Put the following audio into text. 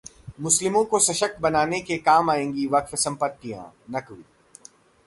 मुस्लिमों को सशक्त बनाने के काम आएंगी वक्फ संपत्तियां: नकवी